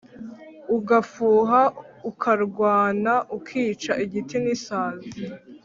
Ugafuha ukarwanaUkica igiti n’isazi